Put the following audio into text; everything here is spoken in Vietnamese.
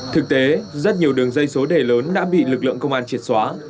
thực tế rất nhiều đường dây số đề lớn đã bị lực lượng công an triệt xóa